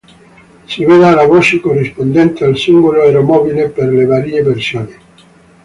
Si veda la voce corrispondente al singolo aeromobile per le varie versioni.